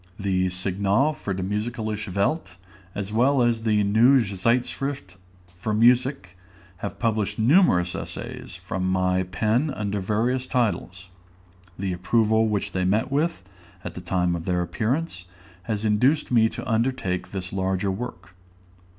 The "Signale für die musikalische Welt," as well as the "Neue Zeitschrift für Musik," have published numerous essays from my pen under various titles. The approval which they met with, at the time of their appearance, has induced me to undertake this larger work.